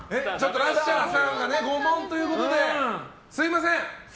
ラッシャーさんが５問ということですみません！